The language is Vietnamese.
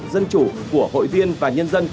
dân chủ của hội viên và nhân dân